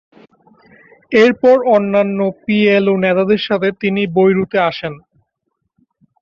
এরপর অন্যান্য পিএলও নেতাদের সাথে তিনি বৈরুতে আসেন।